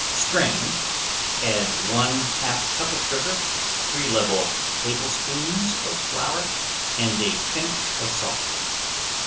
Strain, add one half cup of sugar, three level tablespoons of flour and a pinch of salt.